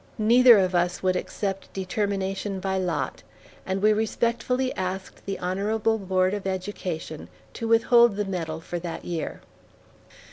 Neither of us would accept determination by lot, and we respectfully asked the Honorable Board of Education to withhold the medal for that year.